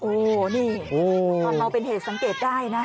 โอ้โหนี่ก็เมาเป็นเหตุสังเกตได้นะ